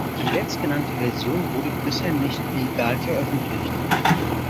Die letztgenannte Version wurde bisher nicht legal veröffentlicht.